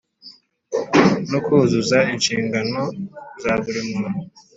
no kuzuza inshingano za buri muntu.